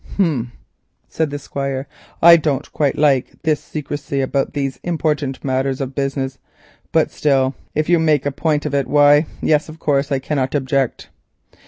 "Hum," said the Squire, "I don't quite like this secrecy about these matters of business, but still if you make a point of it, why of course I cannot object."